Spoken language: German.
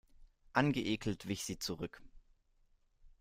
Angeekelt wich sie zurück.